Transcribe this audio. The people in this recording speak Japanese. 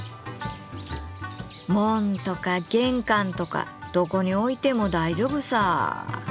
門とか玄関とかどこに置いても大丈夫さ。